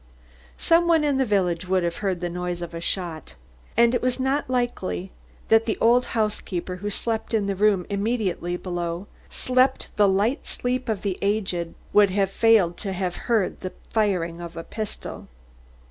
Some one in the village would have heard the noise of a shot. And it was not likely that the old housekeeper who slept in the room immediately below, slept the light sleep of the aged would have failed to have heard the firing of a pistol.